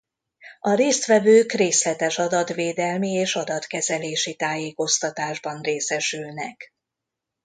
A résztvevők részletes adatvédelmi és adatkezelési tájékoztatásban részesülnek.